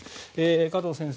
加藤先生